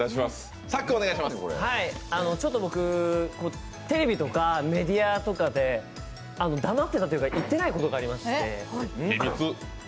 僕、テレビとかメディアとかで黙ってたというか言ってないことがありまして。